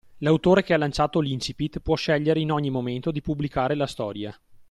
L'autore che ha lanciato l'Incipit può scegliere in ogni momento di pubblicare la storia